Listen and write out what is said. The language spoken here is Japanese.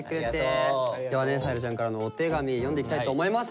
ではねさえらちゃんからのお手紙読んでいきたいと思います。